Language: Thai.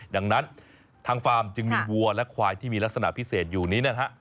ดังนั้นทางฟาร์มจึงมีวัวและควายที่มีลักษณะพิเศษอยู่นี้นะฮะ